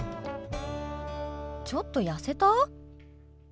ちょっと痩せた？